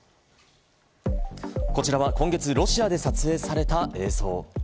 こちらは今月ロシアで撮影された映像。